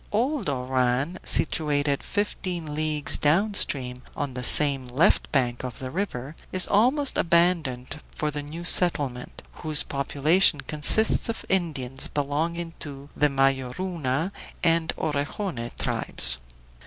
Old Oran, situated fifteen leagues down stream on the same left bank of the river, is almost abandoned for the new settlement, whose population consists of Indians belonging to the Mayoruna and Orejone tribes.